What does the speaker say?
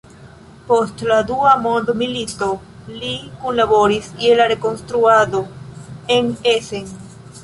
Post la Dua Mondmilito li kunlaboris je la rekonstruado en Essen.